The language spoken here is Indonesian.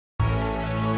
aduh jadi kamu mau pulang